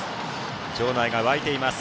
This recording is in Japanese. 場内が沸いています。